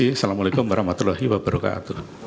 assalamu alaikum warahmatullahi wabarakatuh